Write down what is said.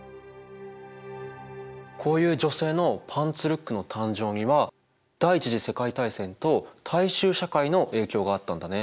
こういう女性のパンツルックの誕生には第一次世界大戦と大衆社会の影響があったんだね。